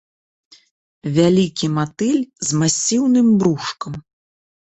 Вялікі матыль з масіўным брушкам.